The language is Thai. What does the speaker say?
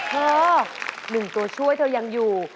เธอหนึ่งตัวช่วยเธอยังอยู่